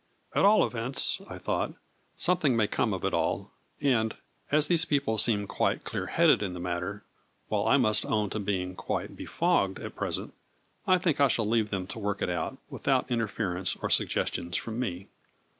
" At all events," I thought, " something may come of it all, and, as these people seem quite clear headed in the matter while I must own to being quite befogged at present, I think I shall leave them to work it out, without inter ference or suggestions from me."